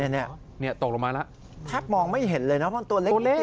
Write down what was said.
เนี่ยตกลงมาแล้วทับมองไม่เห็นเลยนะมันตัวเล็กนิดเดียว